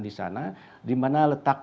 di sana dimana letak